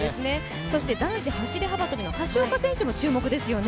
そして男子走幅跳の橋岡選手も注目ですよね。